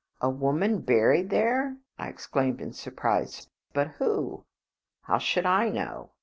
"A woman buried there!" I exclaimed in surprise; "but who?" "How should I know?